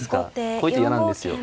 こういう手嫌なんですよ。